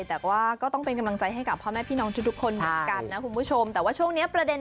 แต่ว่าก็ต้องเป็นกำลังใจให้กับพ่อแม่พี่น้องทุกคนนะคุณผู้ชมแต่ว่าช่วงนี้